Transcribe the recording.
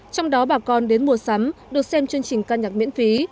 trong đó bà con đến mua sắm được xem chương trình ca nhạc miễn phí